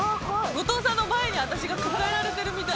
後藤さんの前に私が抱えられてるみたい。